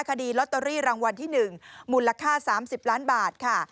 คดีลอตเตอรี่รางวัลที่๑มูลค่า๓๐ล้านบาทค่ะ